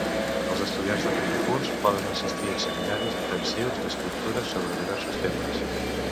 Els estudiants de primer curs poden assistir a seminaris intensius d'escriptura sobre diversos temes.